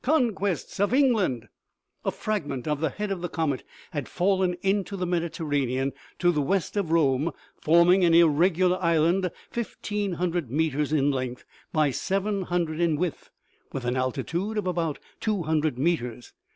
Conquests of England 7" A fragment of the head of the comet had fallen into the Mediterranean to the west of Rome, forming an irregular island, fifteen hundred meters in length by seven hundred in width, with an altitude of about two hundred meters.